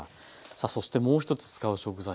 さあそしてもう一つ使う食材